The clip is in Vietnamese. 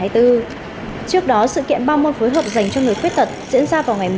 trước đó sự kiện ba môn phối hợp dành cho người khuyết tật diễn ra vào ngày một mươi chín hai mươi tám